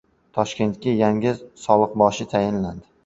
Toshkentga yangi soliqboshi tayinlandi